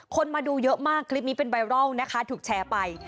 คนมาดูเยอะมากคลิปนี้เป็นไวรัลนะคะถูกแชร์ไป